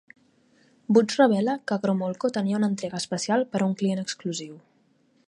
Boots revela que Gromolko tenia una entrega especial per a un client exclusiu.